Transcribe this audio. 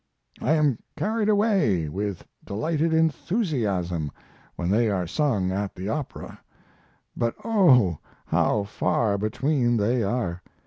I am carried away with delighted enthusiasm when they are sung at the opera. But oh, how far between they are!